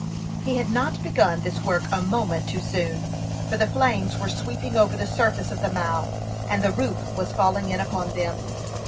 He had not begun this work a moment too soon, for the flames were sweeping over the surface of the mow, and the roof was falling in upon them.